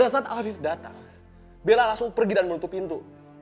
saat aku datang bella langsung pergi dan menutup pintu